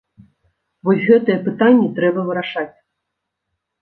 Вось гэтыя пытанні трэба вырашаць!